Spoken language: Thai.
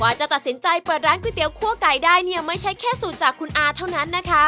จะตัดสินใจเปิดร้านก๋วยเตี๋คั่วไก่ได้เนี่ยไม่ใช่แค่สูตรจากคุณอาเท่านั้นนะคะ